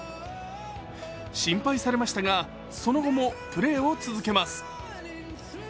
心配されましたがその後もプレーを続けます。